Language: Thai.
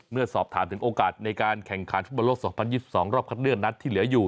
เมื่อสอบถามถึงโอกาสในการแข่งขันฟุตบอลโลก๒๐๒๒รอบคัดเลือกนัดที่เหลืออยู่